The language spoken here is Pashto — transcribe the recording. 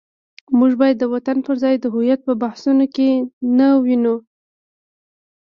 موږ باید د وطن پر ځای د هویت په بحثونو کې نه ونیو.